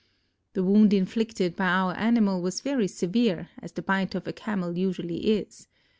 The wound inflicted by our animal was very severe, as the bite of a Camel usually is.